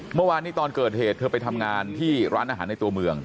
เมื่อวานนี้ตอนเกิดเหตุเธอไปทำงานที่ร้านอาหารในตัวเมือง